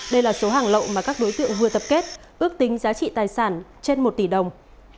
đây là số hàng lậu mà các đối tượng vừa tập kết ước tính giá trị tài sản trên một tỷ đồng